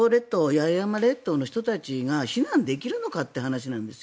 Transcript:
八重山列島の人たちが避難できるのかという話なんです。